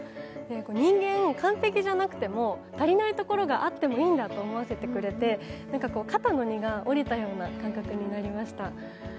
人間、完璧じゃなくても、足りないところがあってもいいんだと思わせてくれて、肩の荷が下りたような感覚になりました。